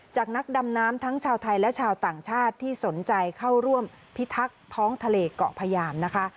นักดำน้ำทั้งชาวไทยและชาวต่างชาติที่สนใจเข้าร่วมพิทักษ์ท้องทะเลเกาะพยามนะคะ